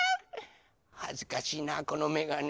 はずかしいなこのめがね。